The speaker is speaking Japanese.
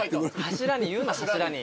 柱に言うな柱に。